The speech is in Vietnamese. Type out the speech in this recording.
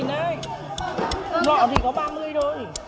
ngọ thì có ba mươi thôi